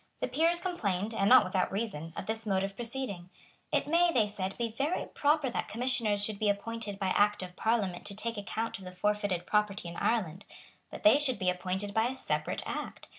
The Peers complained, and not without reason, of this mode of proceeding. It may, they said, be very proper that Commissioners should be appointed by Act of Parliament to take account of the forfeited property in Ireland. But they should be appointed by a separate Act.